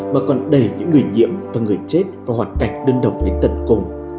mà còn đẩy những người nhiễm và người chết vào hoạt cảnh đơn độc đến tận cùng